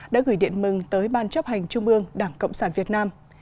đã gửi điện mừng tới ban chấp hành trung ương đảng cộng sản việt nam